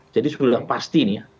jadi sudah pasti nih ya